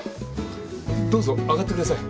どうぞ上がってください。